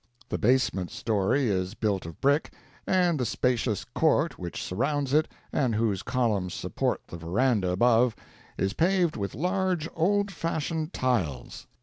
The basement story is built of brick, and the spacious court which surrounds it, and whose columns support the verandah above, is paved with large, old fashioned tiles.